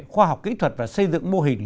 khoa học kỹ thuật và xây dựng mô hình